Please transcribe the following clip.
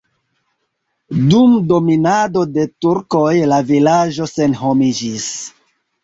Dum dominado de turkoj la vilaĝo senhomiĝis.